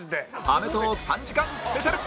『アメトーーク』３時間スペシャル